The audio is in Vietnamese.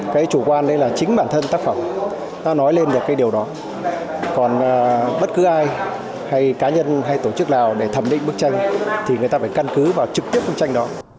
cái chủ quan đây là chính bản thân tác phẩm đã nói lên được cái điều đó còn bất cứ ai hay cá nhân hay tổ chức nào để thẩm định bức tranh thì người ta phải căn cứ vào trực tiếp bức tranh đó